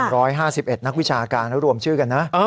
ระหว่าง๑๕๑นักวิชาการแล้วรวมชื่อกันนะ